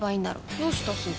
どうしたすず？